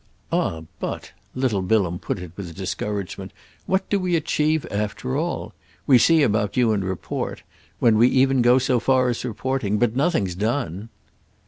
"Ah but"—little Bilham put it with discouragement—"what do we achieve after all? We see about you and report—when we even go so far as reporting. But nothing's done."